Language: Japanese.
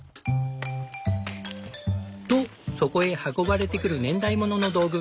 とそこへ運ばれてくる年代物の道具。